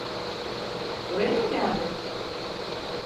Buraya mı geldi?